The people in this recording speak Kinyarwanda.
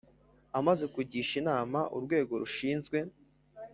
Amaze kugisha inama urwego rushinzwe